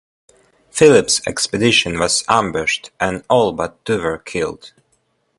Phillip's expedition was ambushed and all but two were killed.